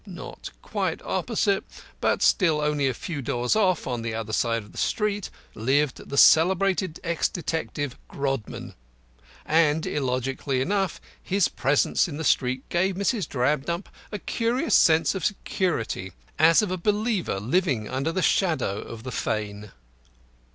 Not quite opposite, but still only a few doors off, on the other side of the street, lived the celebrated ex detective Grodman, and, illogically enough, his presence in the street gave Mrs. Drabdump a curious sense of security, as of a believer living under the shadow of the fane.